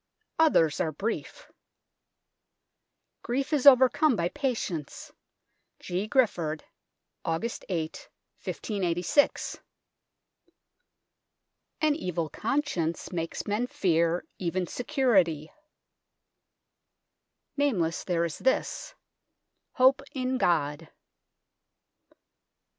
Others are brief. " Grief is overcome by patience. G. Gyfford. Augusts, 1586." "An evil conscience makes men fear even security." Nameless, there is this :" Hope in God."